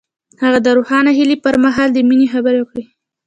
هغه د روښانه هیلې پر مهال د مینې خبرې وکړې.